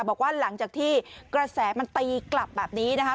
บอกว่าหลังจากที่กระแสมันตีกลับแบบนี้นะคะ